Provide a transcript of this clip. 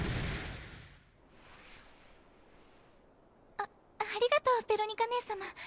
あありがとうベロニカ姉様。